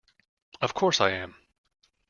Of course I am!